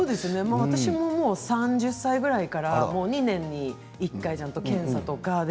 私も３０歳ぐらいから２年に１回、検査とか。